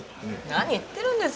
何言ってるんですか。